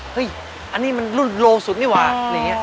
เฮ้ยอันนี้มันรุ่นโล่สุดนี่หว่าอย่างนี้